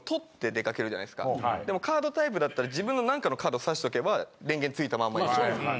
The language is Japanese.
でもカードタイプだったら自分の何かのカードを差しとけば電源ついたままいくじゃないですか。